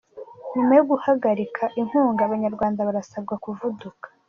Nyuma yo guhagarika inkunga, Abanyarwanda barasabwa kuvuduka.